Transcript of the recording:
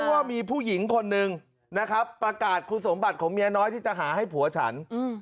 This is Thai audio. เพราะว่ามีผู้หญิงคนหนึ่งนะครับประกาศคุณสมบัติของเมียน้อยที่จะหาให้ผัวฉัน